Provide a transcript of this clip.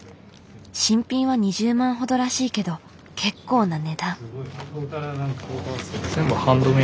新品は２０万ほどらしいけど結構な値段。